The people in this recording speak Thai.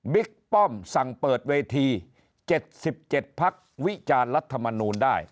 ป้อมสั่งเปิดเวที๗๗พักวิจารณ์รัฐมนูลได้